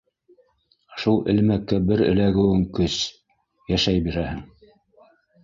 Шул элмәккә бер эләгеүең көс - йәшәй бирәһең.